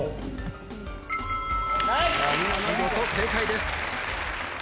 見事正解です。